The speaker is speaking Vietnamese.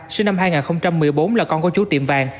sinh năm hai nghìn một mươi bốn là con có chú tiệm vàng